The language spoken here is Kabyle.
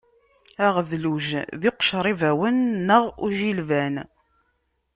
Aɣedluj d iqcer ibawen neɣ ujilban.